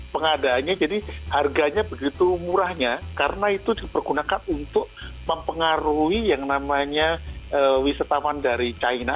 pengadaannya jadi harganya begitu murahnya karena itu dipergunakan untuk mempengaruhi yang namanya wisatawan dari china